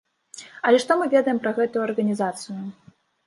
Але што мы ведаем пра гэтую арганізацыю?